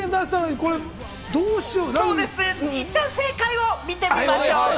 いったん正解を見てみましょうか。